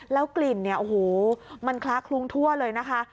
กลิ่นเนี่ยโอ้โหมันคล้าคลุ้งทั่วเลยนะคะ